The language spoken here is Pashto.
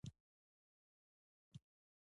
مارک ټواین وایي کتاب همېشنۍ ملګری دی.